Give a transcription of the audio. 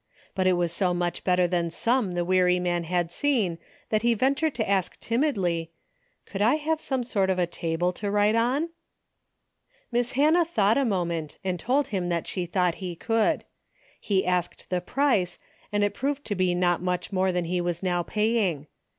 But it was so much better than some the weary man had seen that he ven tured to ask timidly, " Could I have some sort of a table to write on ?" Miss Hannah thought a moment and told him that she thought he could. He asked the price and it proved to be not much more than he was now paying.